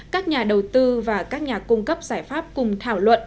các nhà đầu tư và các nhà cung cấp giải pháp cùng thảo luận